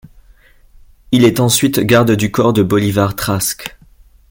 Il est ensuite garde du corps de Bolivar Trask.